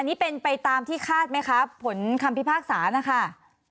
อันนี้ไปตามที่คาดมั้ยคะผลคำพิพากษานะคะ